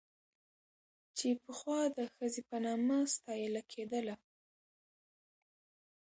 چې پخوا د ښځې په نامه ستايله کېدله